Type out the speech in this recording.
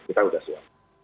kita sudah siap